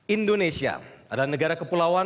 indonesia adalah negara kepulauan